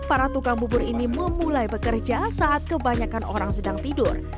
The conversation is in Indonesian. para tukang bubur ini memulai bekerja saat kebanyakan orang sedang tidur